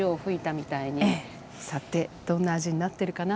さてどんな味になってるかな？